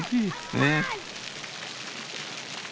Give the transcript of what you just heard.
ねえ。